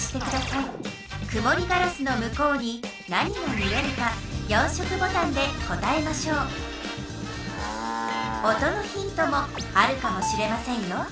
くもりガラスの向こうに何が見えるか４色ボタンで答えましょう音のヒントもあるかもしれませんよ。